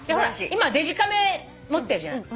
今デジカメ持ってるじゃない。